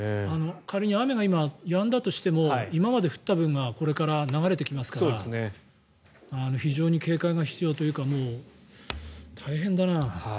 仮に雨が今、やんだとしても今まで降った分がこれから流れてきますから非常に警戒が必要というかもう大変だな。